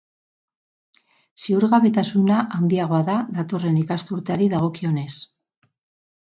Ziurgabetasuna handiagoa da datorren ikasturteari dagokionez.